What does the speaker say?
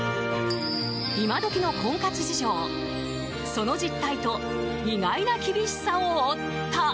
今どきの婚活事情、その実態と意外な厳しさを追った。